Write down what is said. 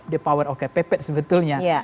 depower oke pepet sebetulnya